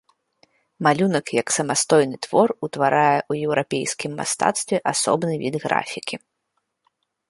Малюнак, як самастойны твор, утварае ў еўрапейскім мастацтве асобны від графікі.